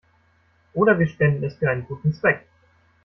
Oder wir spenden es für einen guten Zweck.